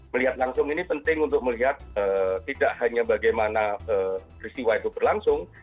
melihat langsung ini penting untuk melihat tidak hanya bagaimana peristiwa itu berlangsung